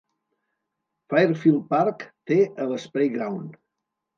Fairfield Park té el Sprayground.